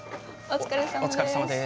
お疲れさまです。